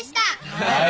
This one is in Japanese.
はい。